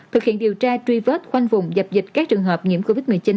thực hiện điều tra truy vết khoanh vùng dập dịch các trường hợp nhiễm covid một mươi chín